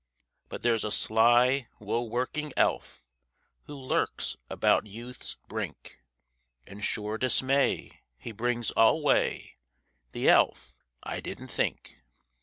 But there's a sly, woe working elf Who lurks about youth's brink, And sure dismay he brings alway The elf, 'I didn't think.'